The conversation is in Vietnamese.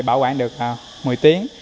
bảo quản được một mươi tiếng